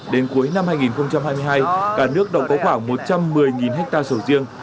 đến cuối năm hai nghìn hai mươi hai cả nước đã có khoảng một trăm một mươi hectare sầu riêng